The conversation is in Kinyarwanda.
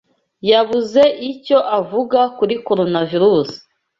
Yabuze icyo avuga kuri Coronavirusi